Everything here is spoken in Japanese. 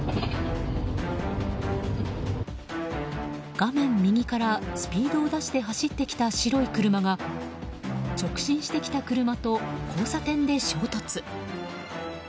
画面右から、スピードを出して走ってきた白い車が直進してきた車と交差点で衝突。